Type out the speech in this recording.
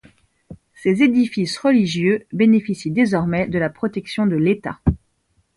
Ces édifices religieux bénéficient désormais de la protection de l'État.